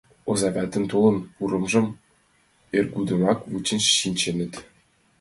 Озаватын толын пурымыжым эргудымак вучен шинченыт.